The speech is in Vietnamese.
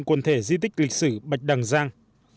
quần thể di tích lịch sử bạch đằng giang